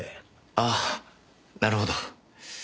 ああなるほど。